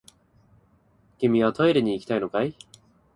君はトイレに行きたいのかい？